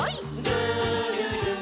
「るるる」